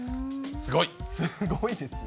すごいですね。